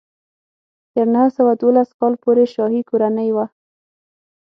تر نهه سوه دولس کال پورې شاهي کورنۍ وه.